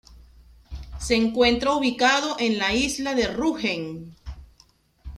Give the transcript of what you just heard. Se encuentra ubicado en la isla de Rügen.